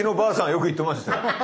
よく言ってましたよ。